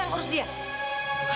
hermann ga ada sih